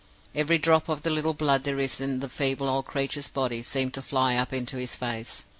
Every drop of the little blood there is in the feeble old creature's body seemed to fly up into his face.